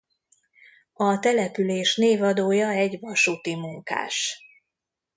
A település névadója egy vasúti munkás.